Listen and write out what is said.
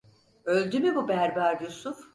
Öldü mü bu berber Yusuf?